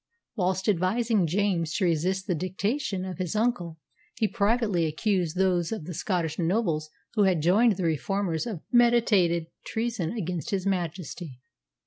Whilst advising James to resist the dictation of his uncle, he privately accused those of the Scottish nobles who had joined the Reformers of meditated treason against His Majesty.